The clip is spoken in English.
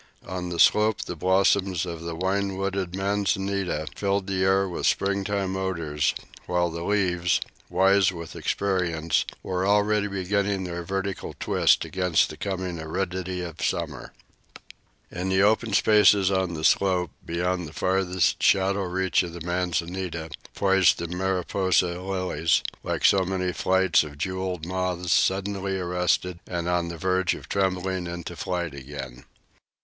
On the slope the blossoms of the wine wooded manzanita filled the air with springtime odors, while the leaves, wise with experience, were already beginning their vertical twist against the coming aridity of summer. In the open spaces on the slope, beyond the farthest shadow reach of the manzanita, poised the mariposa lilies, like so many flights of jewelled moths suddenly arrested and on the verge of trembling into flight again.